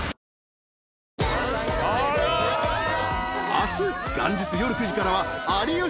［明日元日夜９時からは『有吉の冬休み』］